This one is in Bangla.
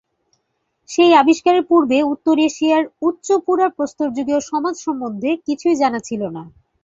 সেই আবিষ্কারের পূর্বে উত্তর এশিয়ার উচ্চ পুরা প্রস্তরযুগীয় সমাজ সম্বন্ধে কিছুই জানা ছিল না।